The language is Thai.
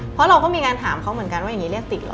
เพราะเราก็มีการถามเขาเหมือนกันว่าอย่างนี้เรียกติดเหรอ